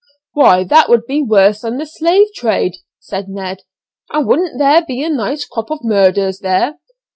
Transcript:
"Why, that would be worse than the slave trade," said Ned, "and wouldn't there be a nice crop of murders there?